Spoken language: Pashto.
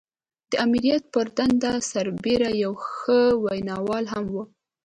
د آمريت پر دنده سربېره يو ښه ويناوال هم و.